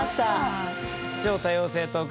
「超多様性トークショー！